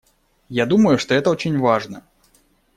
Я думаю, что это очень важно.